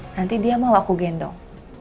nanti dia mau aku gendong